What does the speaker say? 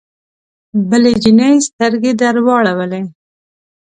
بلې جینۍ سترګې درواړولې